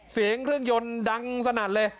เสียงเครื่องยนต์ดังสนั่นเลย